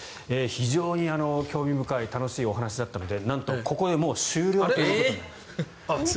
非常に興味深い楽しいお話だったのでなんとここで終了ということになります。